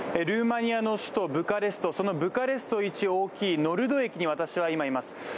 ルーマニアの首都ブカレスト、そのブカレストイチ大きいノルド駅に私は今、います。